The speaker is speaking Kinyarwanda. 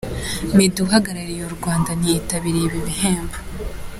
Meddy uhagarariye u Rwanda ntiyitabiriye ibi bihembo.